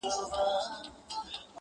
د مچانو او ډېوې یې سره څه,